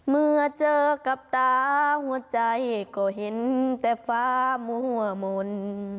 เมื่อเจอกับตาหัวใจก็เห็นแต่ฟ้ามั่วมนต์